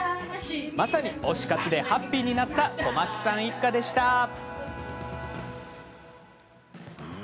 まさに推し活でハッピーになった小松さん一家でした。